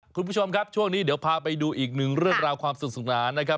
คุณผู้ชมครับช่วงนี้เดี๋ยวพาไปดูอีกหนึ่งเรื่องราวความสนุกสนานนะครับ